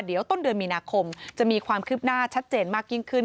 เดี๋ยวต้นเดือนมีนาคมจะมีความคืบหน้าชัดเจนมากยิ่งขึ้น